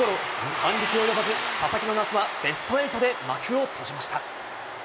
反撃及ばず、佐々木の夏はベスト８で幕を閉じました。